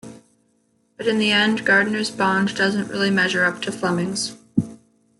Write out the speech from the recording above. But in the end Gardner's Bond doesn't really measure up to Fleming's.